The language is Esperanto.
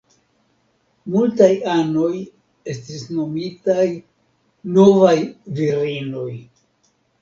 Multaj anoj estis nomitaj "Novaj Virinoj".